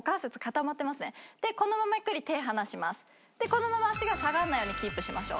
このまま足が下がらないようにキープしましょう。